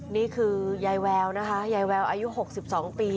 นี่คือยายแววนะคะยายแววอายุ๖๒ปี